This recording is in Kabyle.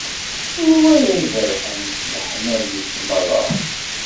Anwa ara iberrḥen s leḥmadi-s merra?